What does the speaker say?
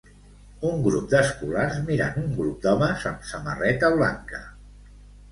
Un grup d'escolars mirant un grup d'homes amb samarreta blanca.